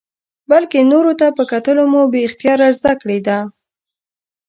بلکې نورو ته په کتلو مو بې اختیاره زده کړې ده.